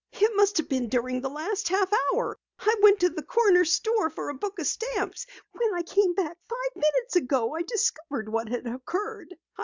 "It must have been during the last half hour. I went to the corner store for a book of stamps. When I came back five minutes ago I discovered what had occurred.